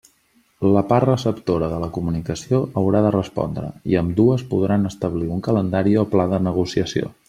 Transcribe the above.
La part receptora de la comunicació haurà de respondre i ambdues podran establir un calendari o pla de negociació.